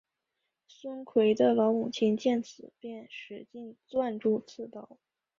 孙奎的老母亲见此便使劲攥住刺刀。